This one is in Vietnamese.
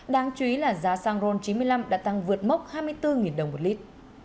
đáng chú ý là giá xăng ron chín mươi năm đã tăng vượt mốc hai mươi bốn đồng một lít